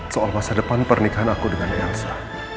soal masa depan pernikahan aku dengan elsa